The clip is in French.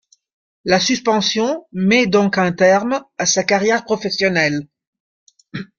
La suspension met donc un terme à sa carrière professionnelle.